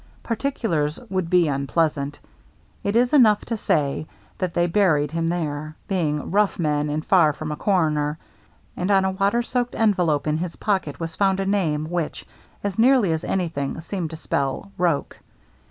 Particulars would be unpleasant. It is enough to say that they buried him there, being rough men and far from a coroner ; and that on a water soaked envelope in his pocket was found a name which, as nearly as anything, seemed to spell " Roche."